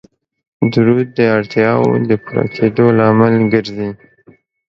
درود د اړتیاو د پوره کیدلو لامل ګرځي